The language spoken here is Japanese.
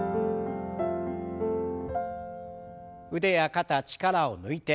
腕や肩力を抜いて。